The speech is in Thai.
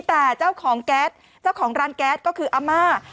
แต่เจ้าของแก๊สเจ้าของร้านแก๊สก็คืออาม่า